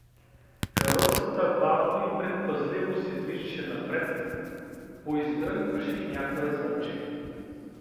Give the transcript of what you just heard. Каруцата бавно и предпазливо се движеше напред, поиздрънкваше някое звънче.